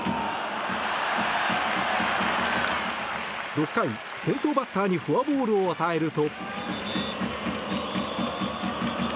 ６回、先頭バッターにフォアボールを与えると。